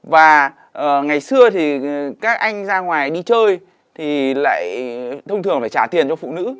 và ngày xưa thì các anh ra ngoài đi chơi thì lại thông thường phải trả tiền cho phụ nữ